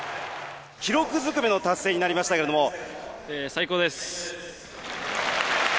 記録ずくめの達成になりましたけども。